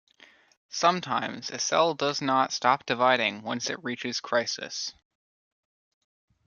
Sometimes, a cell does not stop dividing once it reaches crisis.